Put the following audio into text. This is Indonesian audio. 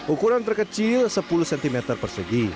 ukuran terkecil sepuluh cm persegi